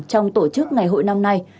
trong tổ chức ngày hội năm nay